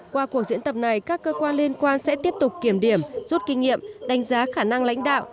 qua cuộc diễn tập này các cơ quan liên quan sẽ tiếp tục kiểm điểm rút kinh nghiệm đánh giá khả năng lãnh đạo